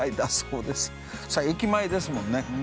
駅前ですもんねえ